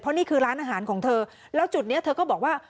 นี่คือร้านอาหารของเธอแล้วจุดนี้เธอก็บอกว่า